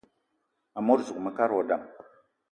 Amot zuga mekad wa dam: